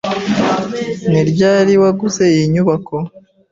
Ni ryari waguze iyi nyubako?